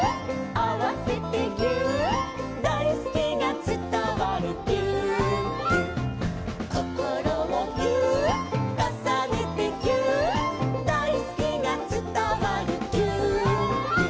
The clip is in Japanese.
「あわせてぎゅーっ」「だいすきがつたわるぎゅーっぎゅ」「こころをぎゅーっ」「かさねてぎゅーっ」「だいすきがつたわるぎゅーっぎゅ」